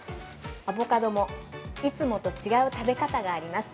アボカドもいつもと違う食べ方があります。